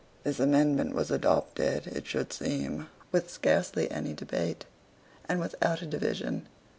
This amendment was adopted, it should seem, with scarcely any debate, and without a division.